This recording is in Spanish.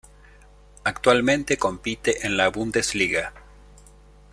Actualmente compite en la Bundesliga.